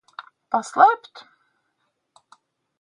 Paslēpt?